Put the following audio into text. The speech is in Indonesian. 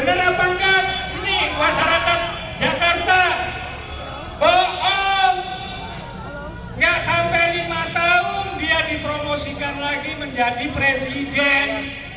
nggak sampai lima tahun dia dipromosikan lagi menjadi presiden